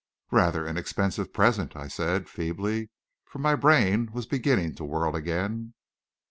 "Rather an expensive present," I said, feebly, for my brain was beginning to whirl again.